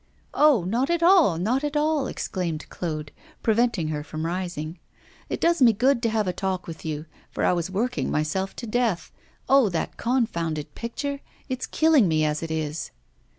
'Oh! not at all, not at all,' exclaimed Claude, preventing her from rising. 'It does me good to have a talk with you, for I was working myself to death. Oh! that confounded picture; it's killing me as it is.